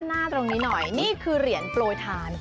หน้าตรงนี้หน่อยนี่คือเหรียญโปรยทาน